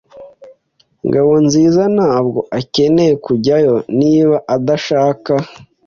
Ngabonziza ntabwo akeneye kujyayo niba adashaka.